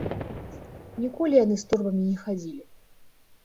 Ніколі яны з торбамі не хадзілі.